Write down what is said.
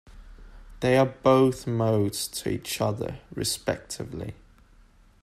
They are both modes to each other, respectively.